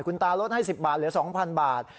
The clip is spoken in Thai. คุณตาลดให้๑๐บาทเหลือ๒๐๐บาท